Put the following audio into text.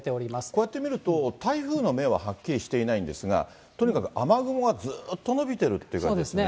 こうやって見ると、台風の目ははっきりしていないんですが、とにかく雨雲がずっと延びてるって感じですね。